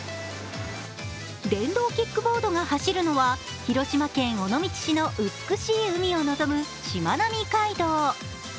電動キックボードが走るのは広島県尾道市の美しい海を臨むしまなみ海道。